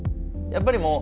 やっぱり。